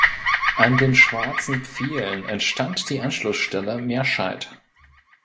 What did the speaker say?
An den "Schwarzen Pfählen" entstand die Anschlussstelle Merscheid.